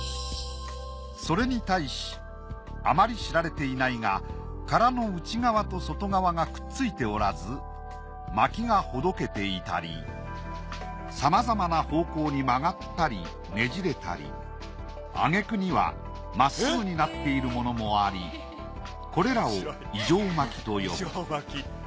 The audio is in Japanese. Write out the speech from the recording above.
それに対しあまり知られていないが殻の内側と外側がくっついておらず巻きがほどけていたりさまざまな方向に曲がったりねじれたりあげくにはまっすぐになっているものもありこれらを異常巻きと呼ぶ。